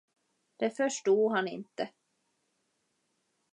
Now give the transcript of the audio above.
Det förstod han inte.